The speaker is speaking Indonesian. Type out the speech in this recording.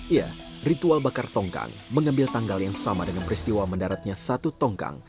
ya ritual bakar tongkang mengambil tanggal yang sama dengan peristiwa mendaratnya satu tongkang